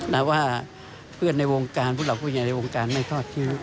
แต่ว่าเพื่อนในวงการพวกเราผู้ใหญ่ในวงการไม่ทอดทิ้ง